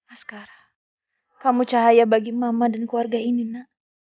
askara kamu cahaya bagi mama dan keluarga ini nak